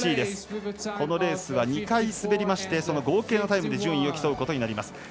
このレースは２回すべりましてその合計のタイムで順位を競っていくことになります。